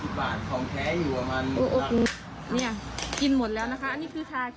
เนี่ยกินหมดแล้วนะคะอันนี้คือชาเขียว